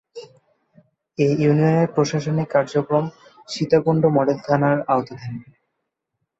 এ ইউনিয়নের প্রশাসনিক কার্যক্রম সীতাকুণ্ড মডেল থানার আওতাধীন।